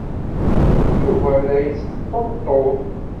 Yuba la d-yesṭebṭub.